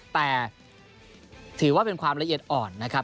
แต่ถือว่าเป็นความละเอียดอ่อนนะครับ